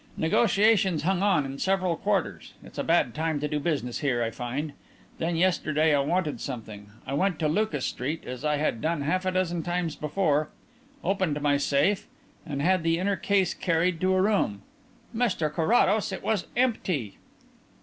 Negotiations hung on in several quarters it's a bad time to do business here, I find. Then, yesterday, I wanted something. I went to Lucas Street, as I had done half a dozen times before, opened my safe, and had the inner case carried to a room.... Mr Carrados, it was empty!"